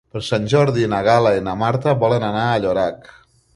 Per Sant Jordi na Gal·la i na Marta volen anar a Llorac.